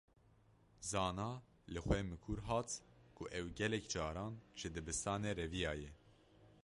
Zana li xwe mikur hat ku ew gelek caran ji dibistanê reviyaye.